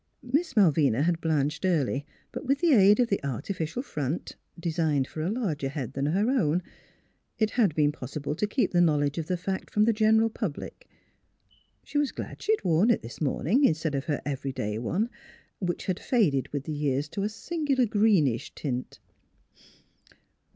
Miss Mal vina had blanched early, but with the aid of the artificial front designed for a larger head than her own it had been possible to keep the knowl edge of the fact from the general public. She was glad she had worn it this morning, instead of her every day one, which had faded with the years to a singular greenish tint.